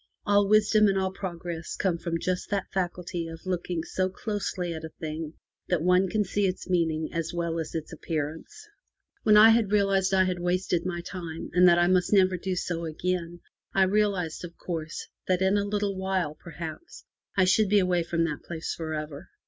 All wisdom and all progress come from just that faculty of looking so closely at a thing that one can see its meaning as well as its appearance. When I realized that I had wasted my time, and that I must never do so again, I realized, of course, that in a little while, perhaps, I should be away from that place for ever.